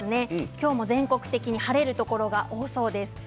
今日も全国的に晴れるところが多そうです。